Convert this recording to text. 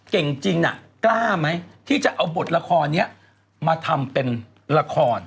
เก่งจริงกล้าไหมที่จะเอาบทละครนี้มาทำเป็นละคร